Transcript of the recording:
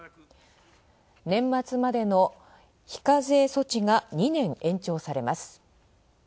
年末までの非課税措置が２年延長されます。